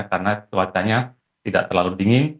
karena cuacanya tidak terlalu dingin